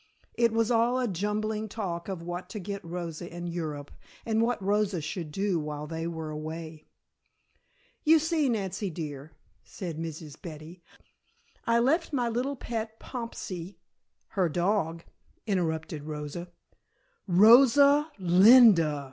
It was all a jumbling talk of what to get Rosa in Europe, and what Rosa should do while they were away. "You see, Nancy dear," said Mrs. Betty. "I left my little pet Pompsie " "Her dog," interrupted Rosa. "Rosa linda!"